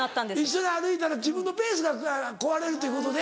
一緒に歩いたら自分のペースが壊れるということで。